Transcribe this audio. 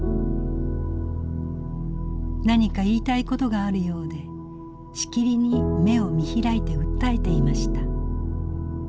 「何か言いたい事があるようでしきりに目を見開いて訴えていました。